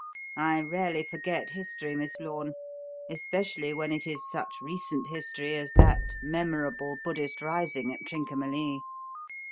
"I rarely forget history, Miss Lorne, especially when it is such recent history as that memorable Buddhist rising at Trincomalee.